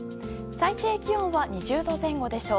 最低気温は２０度前後でしょう。